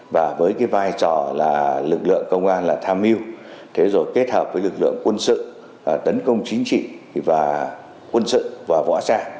và với cái vai trò là lực lượng công an là tham mưu kết hợp với lực lượng quân sự tấn công chính trị và quân sự và võ trang